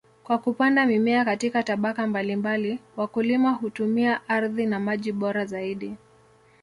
Kwa kupanda mimea katika tabaka mbalimbali, wakulima hutumia ardhi na maji bora zaidi.